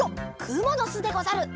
くものすでござる。